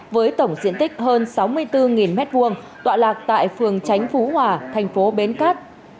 với tổng diện tích hơn sáu mươi bốn m hai tọa lạc tại phường tránh phú hòa thành phố bến cát